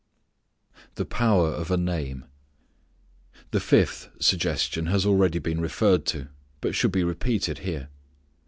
The Power of a Name. The fifth suggestion has already been referred to, but should be repeated here.